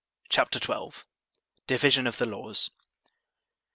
CHAPTER XII. Division of the Laws.